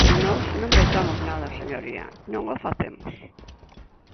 Pero nós non vetamos nada, señoría, non o facemos.